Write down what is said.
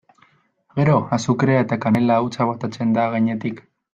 Gero azukrea eta kanela hautsa botatzen da gainetik.